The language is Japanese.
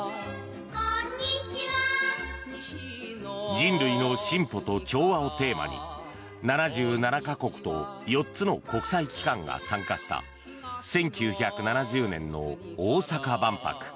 「人類の進歩と調和」をテーマに７７か国と４つの国際機関が参加した１９７０年の大阪万博。